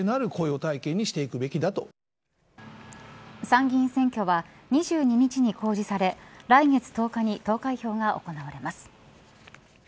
参議院選挙は２２日に公示され来月１０日に投開票が行われます。